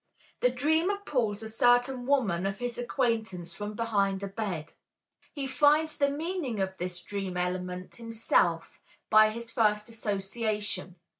The dreamer "pulls a certain woman of his acquaintance from behind a bed." He finds the meaning of this dream element himself by his first association.